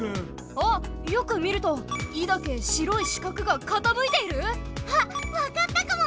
あっよく見ると「イ」だけ白い四角がかたむいている⁉あっわかったかも！